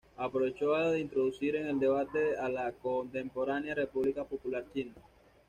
Aprovecho de introducir en el debate a la contemporánea República Popular China.